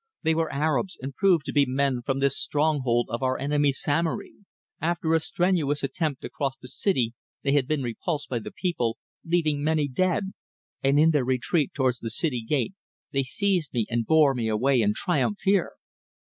They were Arabs, and proved to be men from this stronghold of our enemy Samory. After a strenuous attempt to cross the city they had been repulsed by the people, leaving many dead, and in their retreat towards the city gate they seized me and bore me away in triumph here."